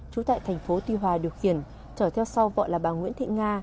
trú tại thành phố tuy hòa điều khiển trở theo sau vợ là bà nguyễn thị nga